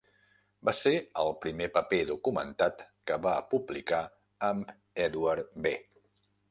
Va ser el primer paper documentat que va publicar, amb Edward B.